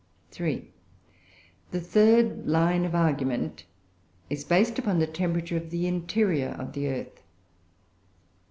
III. The third line of argument is based upon the temperature of the interior of the earth.